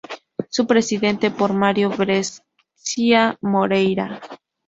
Su Presidente por Mario Brescia Moreyra.